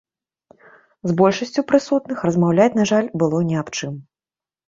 З большасцю прысутных, размаўляць, на жаль, было ні аб чым.